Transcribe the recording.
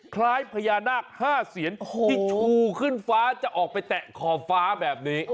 คล้ายพญานาค๕เซียนที่ชูขึ้นฟ้าจะออกไปแตะขอบฟ้าแบบนี้